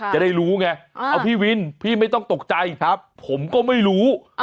จะได้รู้ไงเอาพี่วินพี่ไม่ต้องตกใจผมก็ไม่รู้